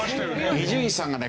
伊集院さんがね